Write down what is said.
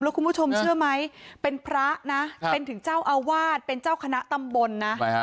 คุณผู้ชมเชื่อไหมเป็นพระนะเป็นถึงเจ้าอาวาสเป็นเจ้าคณะตำบลนะ